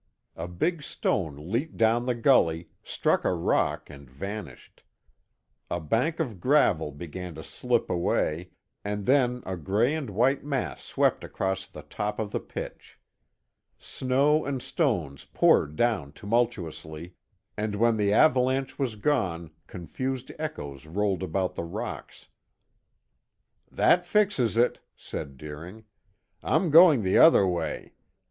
A big stone leaped down the gully, struck a rock and vanished. A bank of gravel began to slip away, and then a gray and white mass swept across the top of the pitch. Snow and stones poured down tumultuously, and when the avalanche was gone confused echoes rolled about the rocks. "That fixes it," said Deering. "I'm going the other way.